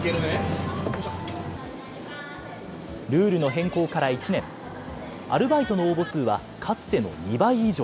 変更から１年、アルバイトの応募数は、かつての２倍以上。